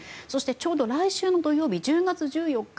ちょうど来週の土曜日１０月１４日